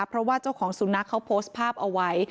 เพราะว่าเจ้าของสุนัขเขาโพสต์ภาพเอาไว้